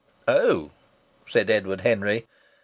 "Oh!" said Edward Henry.